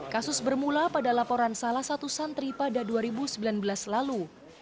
kasus bermula pada laporan salah satu santri pada dua ribu sembilan belas lalu